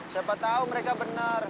siapa tau mereka bener